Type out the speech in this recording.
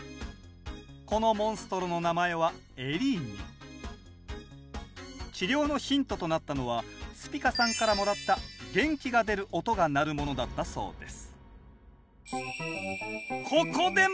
このモンストロの名前は治療のヒントとなったのはスピカさんからもらった「元気が出る音」が鳴るものだったそうです